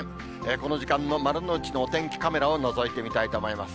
この時間の丸の内のお天気カメラをのぞいてみたいと思います。